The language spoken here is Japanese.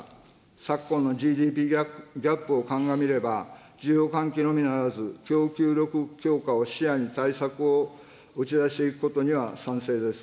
昨今のＧＤＰギャップを鑑みれば、需要喚起のみならず、供給力強化を視野に対策を打ち出していくことには賛成です。